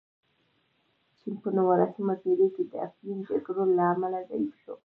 چین په نولسمه پېړۍ کې د افیون جګړو له امله ضعیف شو.